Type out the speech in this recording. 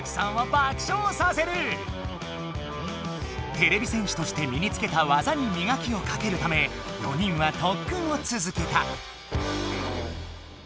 てれび戦士としてみにつけたわざにみがきをかけるため４人はとっくんをつづけた。